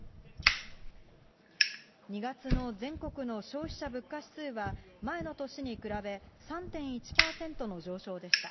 ２月の全国の消費者物価指数は前の年に比べ、３．１％の上昇でした。